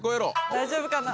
大丈夫かな？